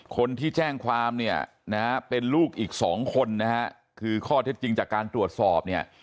คนที่แจ้งความเนี่ยนะฮะเป็นลูกอีกสองคนนะฮะคือข้อเท็จจริงจากการตรวจสอบเนี่ย